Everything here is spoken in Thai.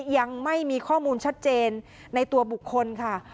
ยังไม่มีข้อมูลชัดเจนในตัวบุคคลค่ะ